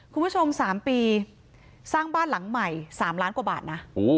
คุณผู้ชม๓ปีสร้างบ้านหลังใหม่๓ล้านกว่าบาทนะ